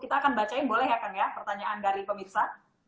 kita akan bacain boleh ya kang ya pertanyaan dari pemirsa